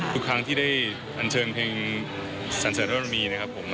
ทุกครั้งที่ได้กันเชิงเพลงสัญญาณการพระมีนะครับผม